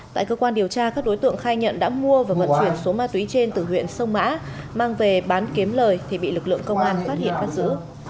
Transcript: tại cơ quan điều tra các đối tượng khai nhận đã mua và vận chuyển số ma túy trên từ huyện sông mã mang về bán kiếm lời thì bị lực lượng công an phát hiện bắt giữ